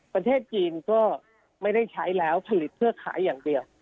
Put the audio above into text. ประเทศจีนก็ไม่ได้ใช้แล้วผลิตเพื่อขายอย่างเดียว